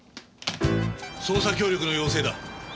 捜査協力の要請だ。